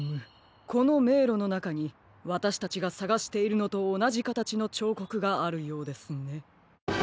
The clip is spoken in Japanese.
このめいろのなかにわたしたちがさがしているのとおなじかたちのちょうこくがあるようですね。